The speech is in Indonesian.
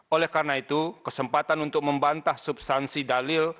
oleh karena itu kesempatan untuk membantah substansi dalil